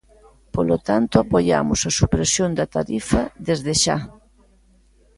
Polo tanto, apoiamos a supresión da tarifa desde xa.